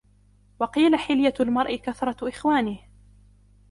وَقِيلَ حِلْيَةُ الْمَرْءِ كَثْرَةُ إخْوَانِهِ